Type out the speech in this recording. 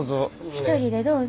一人でどうぞ。